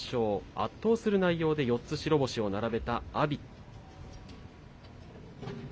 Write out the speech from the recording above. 圧倒する内容で４つ白星を並べた阿炎。